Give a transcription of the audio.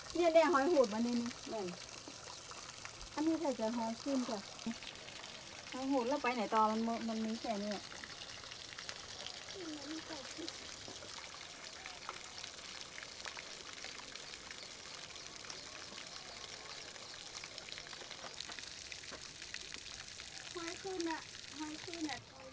นี่เนี่ยหอยหูดมาเนี่ยนี่อันนี้ถ้าเกิดหอยขึ้นก่อนหอยหูดแล้วไปไหนต่อมันมันมีแค่เนี้ย